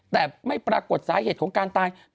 แต่ไม่ปรากฏสาเหตุของการตาย